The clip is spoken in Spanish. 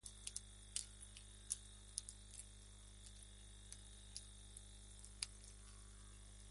Fue descubierta antes de que su regimiento partiera al frente y devuelta a casa.